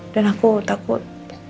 dan aku takut